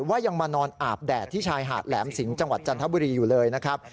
ยังมานอนอาบแดดที่ชายหาดแหลมสิงห์จังหวัดจันทบุรีอยู่เลยนะครับ